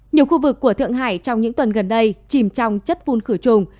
nhiều khu vực của thượng hải trong những tuần gần đây chìm trong chất phun khử trùng